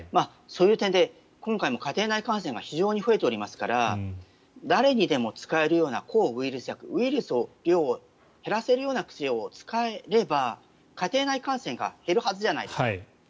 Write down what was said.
そういう点で今回も家庭内感染が非常に増えておりますから誰にでも使えるような抗ウイルス薬ウイルスの量を減らせるような薬を使えれば家庭内感染が減るはずじゃないですか。